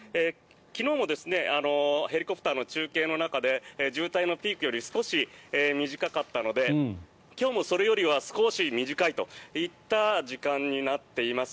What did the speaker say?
昨日もヘリコプターの中継の中で渋滞のピークより少し短かったので今日もそれよりは少し短いといった時間になっています。